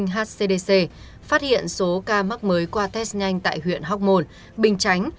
hcdc phát hiện số ca mắc mới qua test nhanh tại huyện hóc môn bình chánh